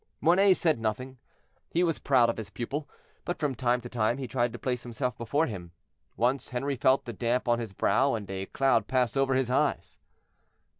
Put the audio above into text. Mornay said nothing; he was proud of his pupil, but from time to time he tried to place himself before him. Once Henri felt the damp on his brow, and a cloud pass over his eyes.